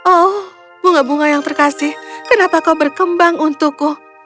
oh bunga bunga yang terkasih kenapa kau berkembang untukku